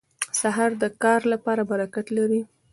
سهار د کار لپاره برکت لري.